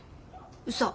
うそ。